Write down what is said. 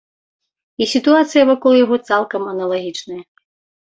І сітуацыя вакол яго цалкам аналагічная.